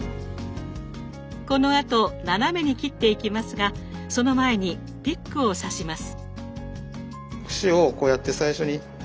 このあと斜めに切っていきますがその前にピックを刺します。